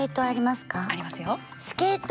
ありますよ。